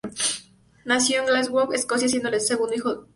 Nació en Glasgow, Escocia, siendo el segundo de dos hijos.